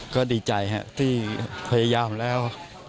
ก็ดีใจครับที่พยายามแล้ว